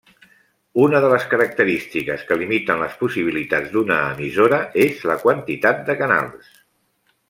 Una de les característiques que limiten les possibilitats d'una emissora és la quantitat de canals.